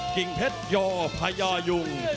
จิงเพชรโยะพญายุง